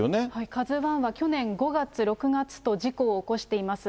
カズワンは去年５月、６月と、事故を起こしています。